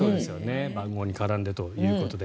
番号に絡んでということで。